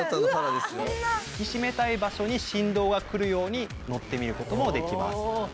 引き締めたい場所に振動がくるように乗ってみることもできます。